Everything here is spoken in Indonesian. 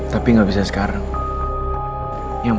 tapi gak bisa sekarang